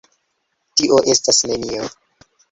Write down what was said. Tio estas nenio.